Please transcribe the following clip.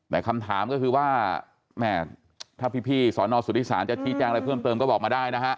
แต่คำถามก็คือว่าแม่ถ้าพี่สอนอสุทธิศาลจะชี้แจ้งอะไรเพิ่มเติมก็บอกมาได้นะฮะ